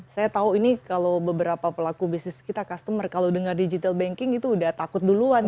saya tahu ini kalau beberapa pelaku bisnis kita customer kalau dengar digital banking itu udah takut duluan